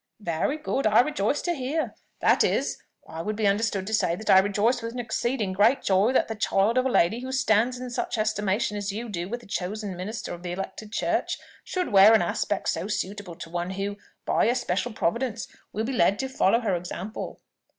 "Very good. I rejoice to hear it: that is, I would be understood to say, that I rejoice with an exceeding great joy that the child of a lady who stands in such estimation as you do with a chosen minister of the elected church, should wear an aspect so suitable to one who, by especial Providence, will be led to follow her example."